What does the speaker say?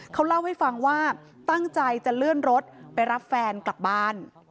เขาเล่าให้ฟังว่าตั้งใจจะเลื่อนรถไปรับแฟนกลับบ้าน